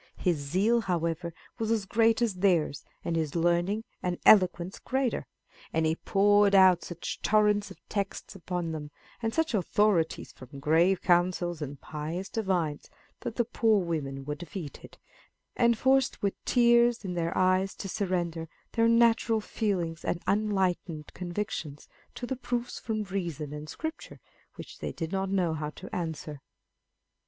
His zeal, however, was as great as theirs, and his learning and eloquence greater ; and he poured out such torrents of texts upon them, and such authorities from grave councils and pious divines, that the poor women were defeated, and forced with tears in their eyes to surrender their natural feelings and unenlightened convictions to the proofs from reason and Scripture which they did not know how to answer.